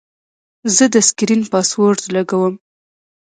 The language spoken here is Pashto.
زه د سکرین پاسورډ لګوم.